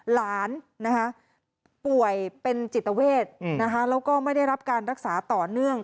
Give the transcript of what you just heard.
หลานป่วยเป็นจิตเวทแล้วก็ไม่ได้รับการรักษาต่อเนื่อง